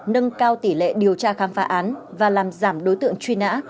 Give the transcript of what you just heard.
nâng cao tỷ lệ điều tra khám phá án và làm giảm đối tượng truy nã